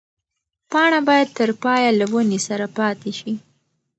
پاڼه باید تر پایه له ونې سره پاتې شي.